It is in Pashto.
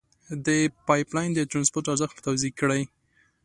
د پایپ لین د ترانسپورت ارزښت توضیع کړئ.